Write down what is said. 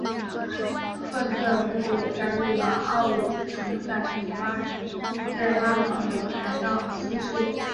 赫兹尔不久也加入了奥鲁奇在杰尔巴岛的海盗新事业。